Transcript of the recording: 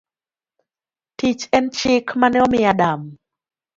Tich en chik mane omi Adam.